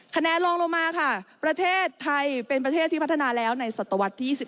คะแนนลองลงมาค่ะประเทศไทยเป็นประเทศที่พัฒนาแล้วในศตวรรษที่๑๒